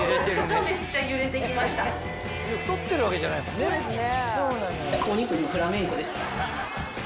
太ってるわけじゃないもんね。